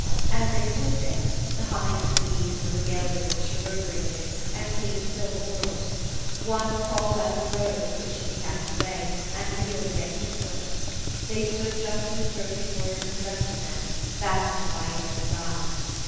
As they stood there, the humming of the bees in the wigelia bush reverberated, and seemed to fill the world. One crawled out of the rose which she had 116 THE STORY OF AVIS. cast away, and reeled against her foot. They stooc just as his broken words had arrested them, fastened by each other's eyes.